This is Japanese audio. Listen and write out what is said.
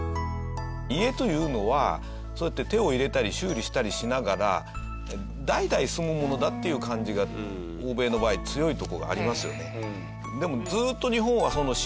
家というのはそうやって手を入れたり修理したりしながら代々住むものだっていう感じが欧米の場合強いとこがありますよね。